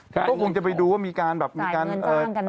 ก็คงจะไปดูว่ามีการแบบจ่ายเงินจ้างกันไหม